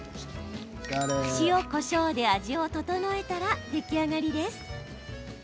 塩、こしょうで味を調えたら出来上がりです。